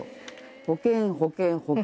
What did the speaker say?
保険保険保険。